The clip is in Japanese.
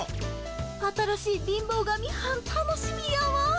新しい貧乏神はん楽しみやわ。